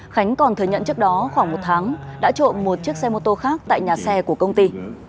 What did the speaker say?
khánh còn thừa nhận trước đó khoảng một tháng đã trộm một chiếc xe mô tô khác tại nhà xe của công ty